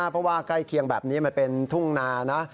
เพราะว่าใกล้เคียงแบบนี้มันเป็นทุ่งนานะ